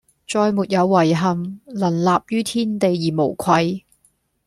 再沒有遺憾，能立於天地而無愧！